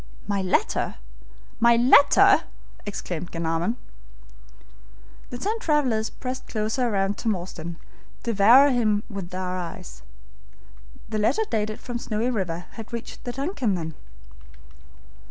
"My letter! my letter!" exclaimed Glenarvan. The ten travelers pressed closer round Tom Austin, devouring him with their eyes. The letter dated from Snowy River had reached the DUNCAN, then.